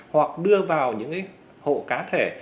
hoặc đưa vào những hộ cá thể